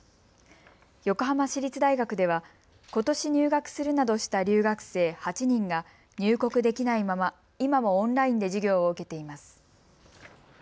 横浜市立大学ではことし入学するなどした留学生８人が入国できないまま今もオンラインで授業を受けています。